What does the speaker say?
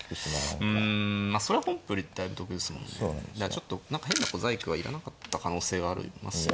ちょっと何か変な小細工はいらなかった可能性はありますよね。